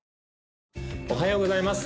おはようございます